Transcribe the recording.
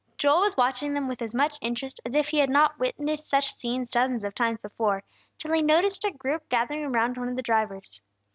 Joel was watching them with as much interest as if he had not witnessed such scenes dozens of times before, till he noticed a group gathering around one of the drivers.